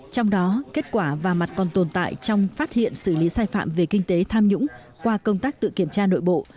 trong đó kết quả và mặt còn tồn tại trong phát hiện xử lý sai phạm về kinh tế tham nhũng qua công tác tự kiểm tra nội bộ